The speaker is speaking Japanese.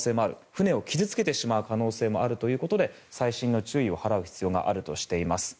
船を傷付けてしまう可能性もあるということで細心の注意を払う必要があるとしています。